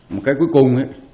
một cái cuối cùng